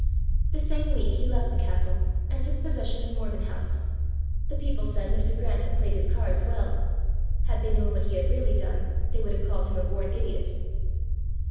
The same week he left the castle, and took possession of Morven House. The people said Mr. Grant had played his cards well: had they known what he had really done, they would have called him a born idiot.